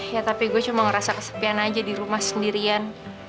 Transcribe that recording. ya tapi gue cuma ngerasa kesepian aja di rumah sendirian